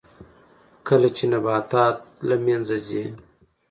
کله چې نباتات له منځه ځي